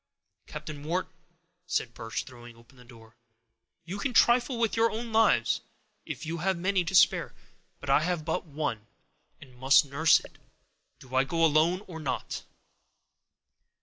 "Captain Wharton," said Birch, throwing open the door, "you can trifle with your own lives, if you have many to spare; I have but one, and must nurse it. Do I go alone, or not?"